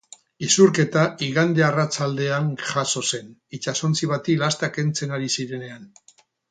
Isurketa igande arratsaldean jazo zen, itsasontzi bati lasta kentzen ari zirenean.